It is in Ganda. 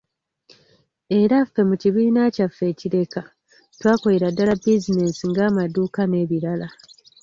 Era ffe mu kibiina kyaffe e Kireka, twakolera ddala bizinensi ng’amaduuka, n’ebirala.